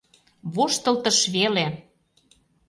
Воштылтыш веле!